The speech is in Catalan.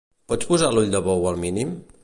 Pots posar l'ull de bou al mínim?